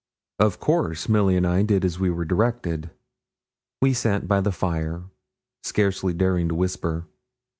Of course Milly and I did as we were directed. We sat by the fire, scarcely daring to whisper.